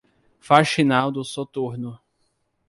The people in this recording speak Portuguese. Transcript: Faxinal do Soturno